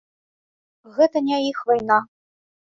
Гэта не іх вайна.